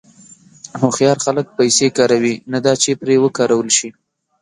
هوښیار خلک پیسې کاروي، نه دا چې پرې وکارول شي.